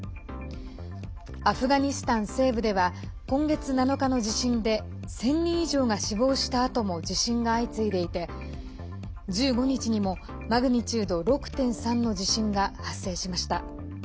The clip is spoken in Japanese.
アフガニスタン西部では今月７日の地震で１０００人以上が死亡したあとも地震が相次いでいて１５日にもマグニチュード６．３の地震が発生しました。